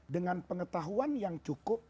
dengan pengetahuan yang cukup